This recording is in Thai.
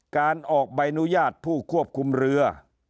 การออกใบอนุญาตผู้ควบคุมเรือ